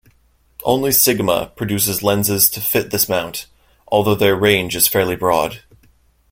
Only Sigma produces lenses to fit this mount, although their range is fairly broad.